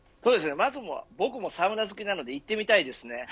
まず僕もサウナ好きなので行ってみたいですね。